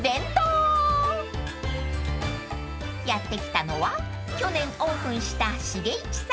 ［やって来たのは去年オープンした］